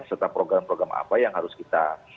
serta program program apa yang harus kita